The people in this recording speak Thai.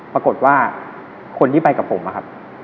ปรากฏว่าคนที่ไปกับผมนะครับ